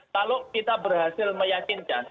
kalau kita berhasil meyakinkan